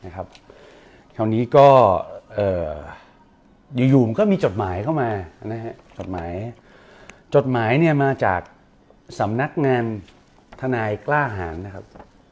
คราวนี้ก็อยู่มันก็มีจดหมายเข้ามาจดหมายจดหมายมาจากสำนักงานทนายกล้าหารนะครับ